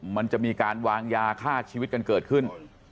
มันจะมีการวางยาฆ่าชีวิตกันเกิดขึ้น